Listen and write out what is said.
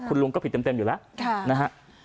คุณลุงก็ผิดเต็มอยู่แล้วนะฮะ